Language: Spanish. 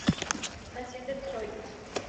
Nació en Detroit.